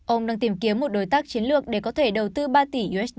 ông đang tìm kiếm một đối tác chiến lược để có thể đầu tư ba tỷ usd